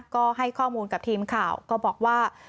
ก็ให้ข้อมูลกับทีมข่าวก็บอกว่า